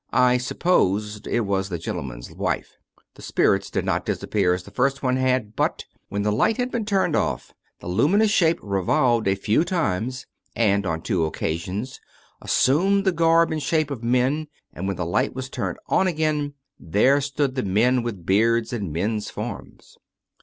I supposed it was the gentleman's wife. ... The spirits did not disappear as the first one had, but, when the light had been turned off, the luminous shape re volved a few times, and on two occasions assumed the garb and shape of men, and when the light was turned on again, there stood the men with beards and men's forms.